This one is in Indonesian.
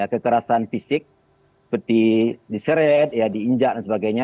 kekerasan fisik seperti diseret diinjak dan sebagainya